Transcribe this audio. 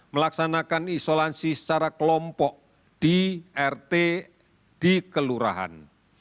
melaksanakan isolasi secara kelompok di rt di kelurahan